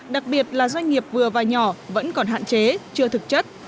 đặc biệt là doanh nghiệp vừa và nhỏ vẫn còn hạn chế chưa thực chất